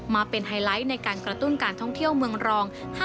มาเป็นไฮไลท์ในการกระตุ้นการท่องเที่ยวเมืองรอง